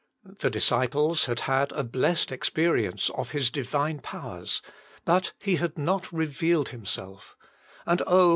The disciples had had a blessed experi ence of His divine powers, but He had not revealed Himself, and oh!